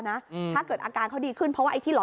พอหลังจากเกิดเหตุแล้วเจ้าหน้าที่ต้องไปพยายามเกลี้ยกล่อม